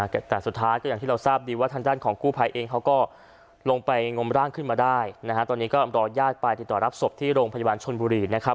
ค่ะแต่สุดท้ายังที่เราทราบดีว่าท่านด้านของกู้พายเองเขาก็ลงไปงมร่างขึ้นมาได้นะฮะ